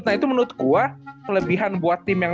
nah itu menurut gua kelebihan buat tim yang